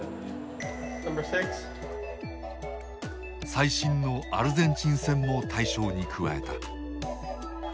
最新のアルゼンチン戦も対象に加えた。